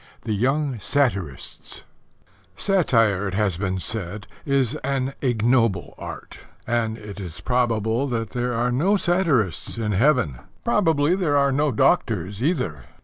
(3) THE YOUNG SATIRISTS Satire, it has been said, is an ignoble art; and it is probable that there are no satirists in Heaven. Probably there are no doctors either.